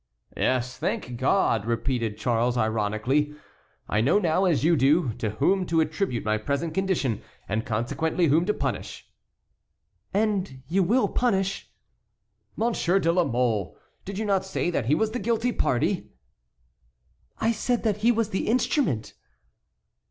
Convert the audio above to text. "Yes, thank God!" repeated Charles, ironically; "I know now, as you do, to whom to attribute my present condition, and consequently whom to punish." "And you will punish"— "Monsieur de la Mole; did you not say that he was the guilty party?" "I said that he was the instrument."